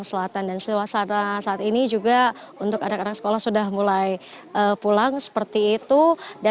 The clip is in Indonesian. selamat siang puspa